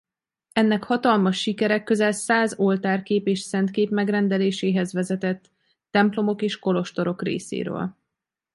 Ennek hatalmas sikere közel száz oltárkép és szentkép megrendeléséhez vezetett templomok és kolostorok részéről.